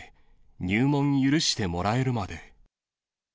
入門許してもらえるまで。